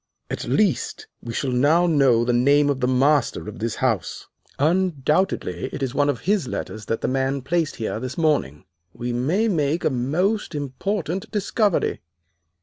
At least, we shall now know the name of the master of this house. Undoubtedly it is one of his letters that the man placed here this morning. We may make a most important discovery.